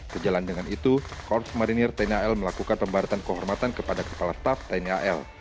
sejalan dengan itu korps marinir tni al melakukan pembaratan kehormatan kepada kepala staf tni al